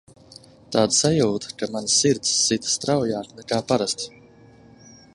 Tāda sajūta, ka mana sirds sit straujāk nekā parasti.